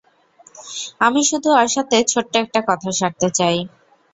আমি শুধু ওর সাথে ছোট্ট একটা কথা সারতে চাই।